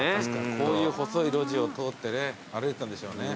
こういう細い路地を通ってね歩いてたんでしょうね。